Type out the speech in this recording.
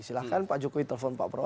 silahkan pak jokowi telpon pak prabowo